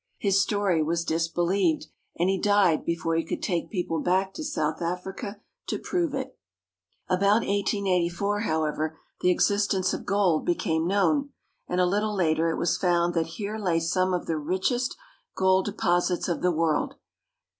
His story was disbelieved, and he died before he could take people back to South Africa to prove it. About 1884, however, the existence of gold became known, and a little later it was found that here lay some of the richest gold deposits of the world.